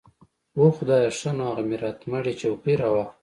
اوح خدايه ښه نو اغه ميراتمړې چوکۍ راواخله.